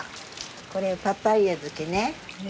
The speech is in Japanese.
これパパイヤ漬けね。